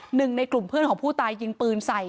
หนึ่งในกลุ่มเพื่อนของผู้ตายยิงปืนใส่